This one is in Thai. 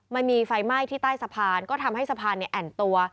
มันมีไฟไหม้ที่ใต้สะพานก็ทำให้สะพานแอ่นตัว